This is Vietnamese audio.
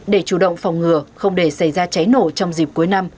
để chủ động phòng ngừa không để xảy ra cháy nổ trong dịp cuối năm